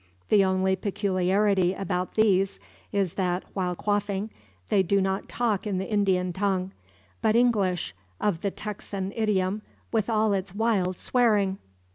The only peculiarity about these is that, while quaffing, they do not talk in the Indian tongue, but English of the Texan idiom, with all its wild swearing!